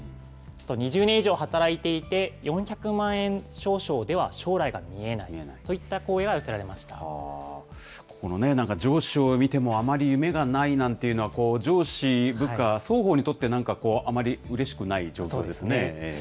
２０年以上働いていて、４００万円少々では将来が見えないといっこのね、なんか上司を見てもあまり夢がないなんていうのは、上司、部下、双方にとって、なんかこう、あまりうれしくない状況ですね。